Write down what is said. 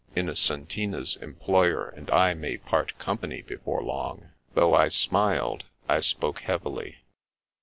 Innocentina's employer «md I may part company before long." Though I smiled, I spoke heavily.